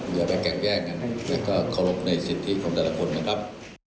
อย่าไปแกล้งแกล้งกันและก็ขอรบในสิทธิของแต่ละคนนะครับ